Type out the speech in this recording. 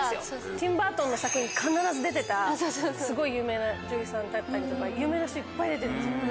ティム・バートンの作品に必ず出てたすごい有名な女優さんだったりとか有名な人いっぱい出てるんです。